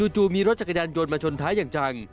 จู่มีรถจักรยานยนต์มาชนท้ายอย่างจัง